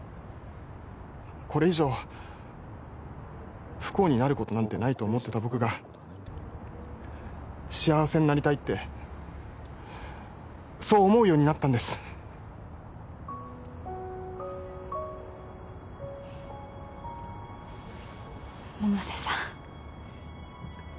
これ以上不幸になることなんてないと思ってた僕が幸せになりたいってそう思うようになったんです百瀬さん